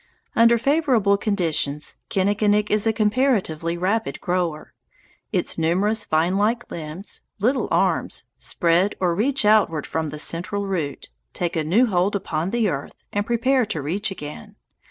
Under favorable conditions Kinnikinick is a comparatively rapid grower. Its numerous vinelike limbs little arms spread or reach outward from the central root, take a new hold upon the earth, and prepare to reach again.